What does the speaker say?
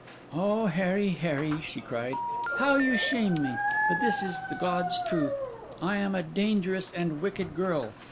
'O Harry, Harry,' she cried, 'how you shame me! But this is the God's truth. I am a dangerous and wicked girl.